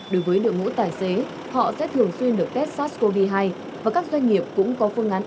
đối với đội ngũ tài xế họ sẽ thường xuyên được test sars cov hai và các doanh nghiệp cũng có phương án